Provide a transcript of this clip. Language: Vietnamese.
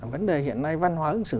vấn đề hiện nay văn hóa ứng xử